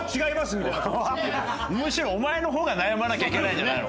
むしろお前の方が悩まなきゃいけないんじゃないの？